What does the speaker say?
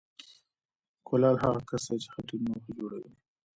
کولال هغه کس دی چې خټین لوښي جوړوي